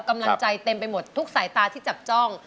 กำลังใจเต็มไปหมดทุกสายตาที่จับจ้อง